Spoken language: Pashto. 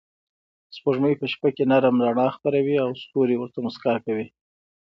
سپوږمۍ په شپه کې نرم رڼا خپروي او ستوري ورته موسکا کوي.